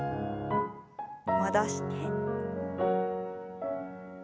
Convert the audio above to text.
戻して。